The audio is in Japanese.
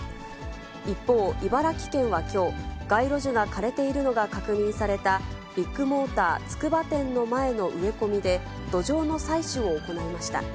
一方、茨城県はきょう、街路樹が枯れているのが確認されたビッグモーターつくば店の前の植え込みで、土壌の採取を行いました。